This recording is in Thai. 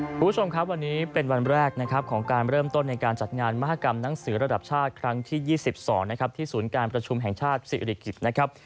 คุณผู้ชมครับวันนี้เป็นวันแรกนะครับของการเริ่มต้นในการจัดงานมหากรรมหนังสือระดับชาติครั้งที่๒๒นะครับที่ศูนย์การประชุมแห่งชาติศิริกิจนะครับ